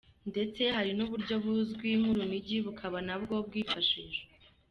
Ndetse hari n’uburyo buzwi nk’urunigi, bukaba na bwo bwifashishwa.